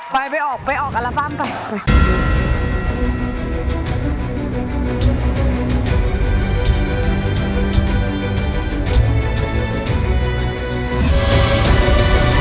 ไปออกไปออกเอาละปั้มไป